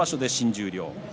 十両